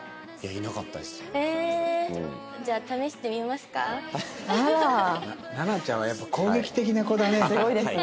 なな茶はやっぱ攻撃的な子だね。